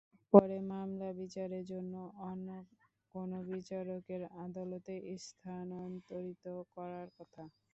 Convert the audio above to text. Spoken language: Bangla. পরে মামলা বিচারের জন্য অন্য কোনো বিচারকের আদালতে স্থানান্তরিত করার কথা।